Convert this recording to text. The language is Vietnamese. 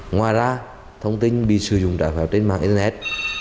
ngoài ra thông tin bị sử dụng trái phép trên mạng internet